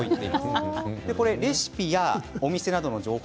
レシピやお店などの情報